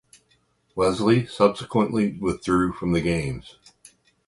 Leslie subsequently withdrew from the Games.